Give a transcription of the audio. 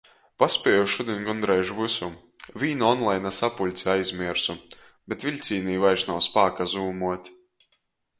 Paspieju šudiņ gondreiž vysu. Vīnu onlaina sapuļci aizmiersu, bet viļcīnī vairs nav spāka zūmuot.